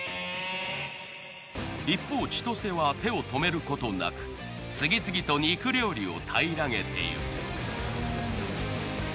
一方ちとせは手を止めることなく次々と肉料理をたいらげていく。